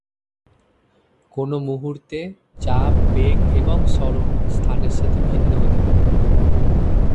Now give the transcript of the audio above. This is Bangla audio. কোনো মুহুর্তে চাপ, বেগ এবং সরণ স্থানের সাথে ভিন্ন হতে পারে।